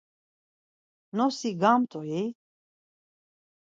Nosi gamt̆u-i?